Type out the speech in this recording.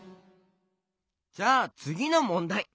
じゃあつぎのもんだい。